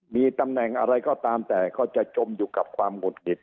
มีตำแหน่งอะไรก็ตามแต่ก็จะจมอยู่กับความหุดหงิด